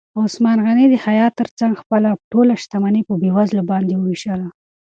عثمان غني د حیا تر څنګ خپله ټوله شتمني په بېوزلو باندې ووېشله.